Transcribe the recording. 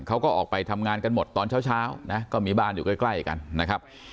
เขาก็ออกไปทำงานกันหมดตอนเช้านะก็มีบ้านอยู่ใกล้กันนะครับ